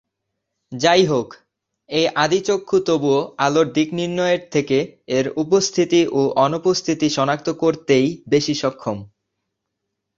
যাইহোক, এই আদি-চক্ষু তবুও আলোর দিক নির্ণয়ের থেকে এর উপস্থিতি ও অনুপস্থিতি শনাক্ত করতেই বেশি সক্ষম।